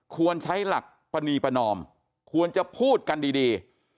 ควรใช้หลักปณีประนอมควรจะพูดกันดี